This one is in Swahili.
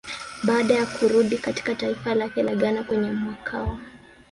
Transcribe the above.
Baada ya kurudi katika taifa lake la Ghana kwenye mwakawa